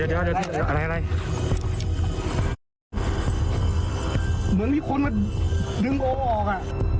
เหมือนมีคนมันดึงโอ้ออกอะ